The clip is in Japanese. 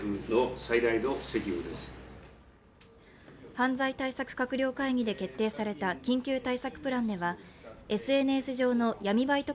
犯罪対策閣僚会議で決定された緊急対策プランではＳＮＳ上の闇バイト